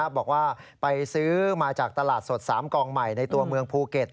บอกว่าไปซื้อมาจากตลาดสด๓กองใหม่ในตัวเมืองภูเก็ต